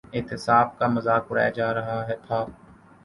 احتساب کا مذاق اڑایا جا رہا تھا۔